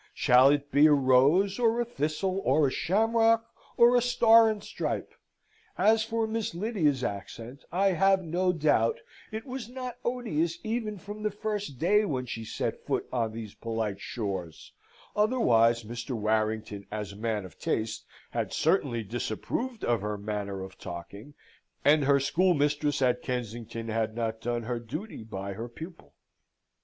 Shall it be a rose, or a thistle, or a shamrock, or a star and stripe? As for Miss Lydia's accent, I have no doubt it was not odious even from the first day when she set foot on these polite shores, otherwise Mr. Warrington, as a man of taste, had certainly disapproved of her manner of talking, and her schoolmistress at Kensington had not done her duty by her pupil.